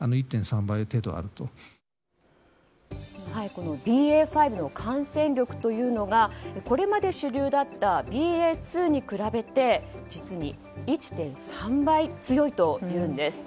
このＢＡ．５の感染力がこれまで主流だったＢＡ．２に比べて実に１．３倍強いというんです。